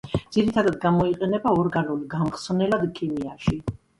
ძირითადათ გამოიყენება ორგანულ გამხსნელად ქიმიაში.